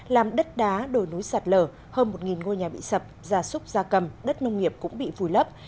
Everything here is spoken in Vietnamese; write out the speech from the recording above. làm đất đá đổi núi sạt lở hơn một ngôi nhà bị sập ra súc ra cầm đất nông nghiệp cũng bị vùi lấp